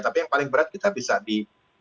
tapi yang paling berat kita bisa di